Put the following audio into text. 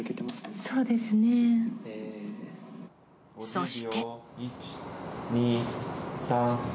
そして。